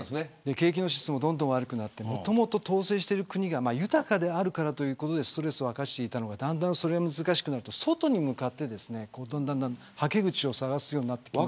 景気の質もどんどん悪くなってもともと統制している国が豊かであるからということでストレスを発散していたのがそれが難しくなると外に向かってはけ口を探すようになってきている。